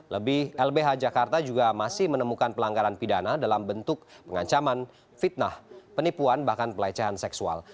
lebih lbh jakarta juga masih menemukan pelanggaran pidana dalam bentuk pengancaman fitnah penipuan bahkan pelecehan seksual